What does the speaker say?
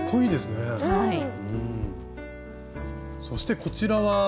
そしてこちらは？